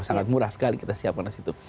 sangat murah sekali kita siapkan di situ